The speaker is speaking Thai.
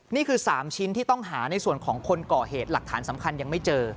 นี่คือ๓ชิ้นที่ต้องหาในส่วนของคนก่อเหตุหลักฐานสำคัญยังไม่เจอ